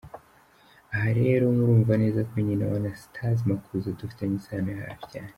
Aha rero murumva neza ko nyina wa Anastase Makuza dufitanye isano yafi cyane.